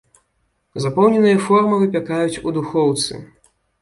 Запоўненыя формы выпякаюць у духоўцы.